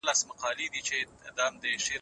پرېمانه اوبه وڅښه ترڅو ستا پوستکی روښانه پاتې شي.